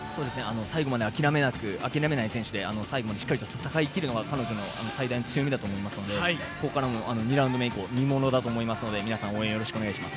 最後まで諦めない選手で最後までしっかりと戦い切るのが彼女の最大の強みだと思いますのでここからも２ラウンド目以降見ものだと思うので応援お願いします。